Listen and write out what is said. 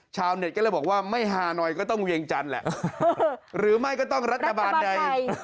ชาวเน็ตก็เลยบอกว่าไม่ฮาหน่อยก็ต้องเวียงจันทร์แหละหรือไม่ก็ต้องรัฐบาลใด